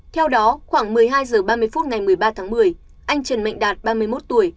theo đó khoảng một mươi hai h ba mươi phút ngày một mươi ba tháng một mươi anh trần mạnh đạt ba mươi một tuổi